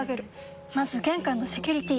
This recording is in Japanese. まず玄関のセキュリティ！